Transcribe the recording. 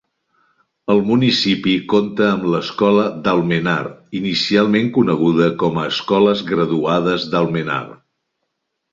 El municipi compta amb l'Escola d'Almenar, inicialment coneguda com a Escoles Graduades d'Almenar.